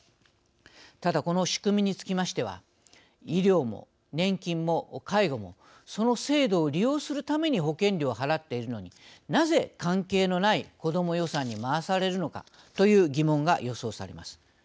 ただ、この仕組みにつきましては医療も、年金も、介護もその制度を利用するために保険料を払っているのになぜ、関係のないこども予算に回されるのかという疑問が予想されます。